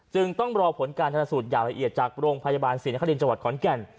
จึงต้องรอผลการทันสูตรรายละเอียดจากโรงพยาบาลสินในเข้าเรียนจับหัวนอนแข็ง